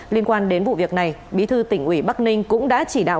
liên quan đến vụ việc này bí thư tỉnh ủy bắc ninh cũng đã chỉ đạo